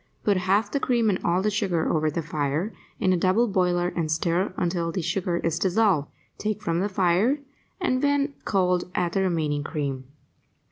Put half the cream and all the sugar over the fire in a double boiler and stir until the sugar is dissolved; take from the fire and, when cold, add the remaining cream.